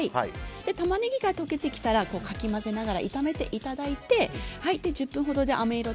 タマネギが溶けてきたらかき混ぜながら炒めていただいて１０分ほどであめ色